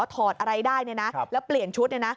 ถอดอะไรได้เนี่ยนะแล้วเปลี่ยนชุดเนี่ยนะ